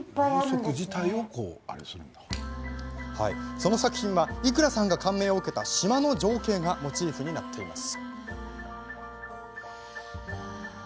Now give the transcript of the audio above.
その作品は伊倉さんが感銘を受けた島の情景がモチーフになっています。